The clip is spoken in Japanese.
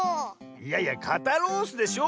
いやいや「かたロース」でしょ